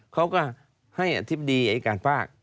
เขาก็ให้อธิบดีอายการภาค